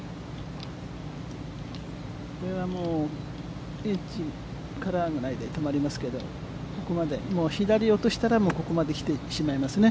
これはもうエッジ、カラーぐらいで止まりますけど、ここまでもう左落としたら、ここまで来てしまいますよね。